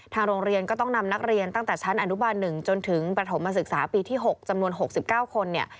โรงเรียนก็ต้องนำนักเรียนตั้งแต่ชั้นอนุบาล๑จนถึงประถมศึกษาปีที่๖จำนวน๖๙คนเนี่ย